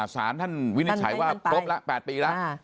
สารท่านวินิจฉัยว่าครบแล้ว๘ปีแล้ว